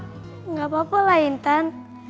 enggak apa apa lah intan